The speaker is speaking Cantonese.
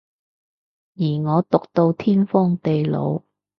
而我毒到天荒地老